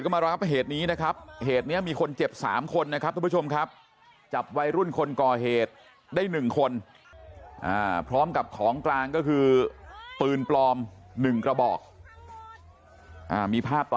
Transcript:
อ้าวโอ๊ยมีเต็มเลยอ้าว